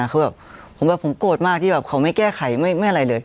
เขาบอกผมโกรธมากที่เขาไม่แก้ไขไม่อะไรเลย